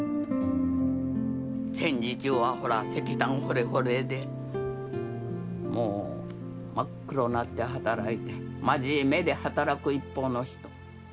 戦時中はほら石炭掘れ掘れでもう真っ黒なって働いて真面目で働く一方の人。